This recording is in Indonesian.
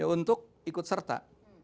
untuk ikut serta